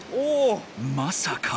まさか。